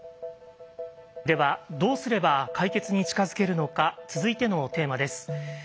ではどうすれば解決に近づけるのか続いてのテーマです。